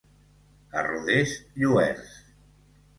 A Rodés, lluerts.